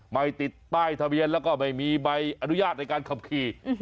ไม่ติดป้ายทะเบียนแล้วก็ไม่มีใบอนุญาตในการขับขี่